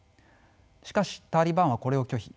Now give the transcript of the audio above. しかしタリバンはこれを拒否。